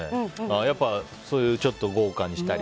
やっぱり、ちょっと豪華にしたり。